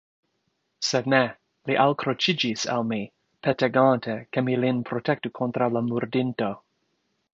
Sed ne, li alkroĉiĝis al mi, petegante ke mi lin protektu kontraŭ la murdinto.